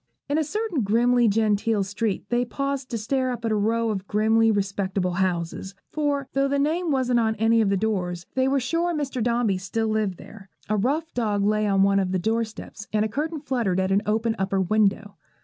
In a certain grimly genteel street they paused to stare up at a row of grimly respectable houses; for, though the name wasn't on any of the doors, they were sure Mr. Dombey still lived there. A rough dog lay on one of the doorsteps, and a curtain fluttered at an open upper window.